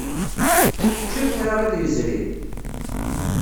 Teččiḍ kra iḍ yezrin?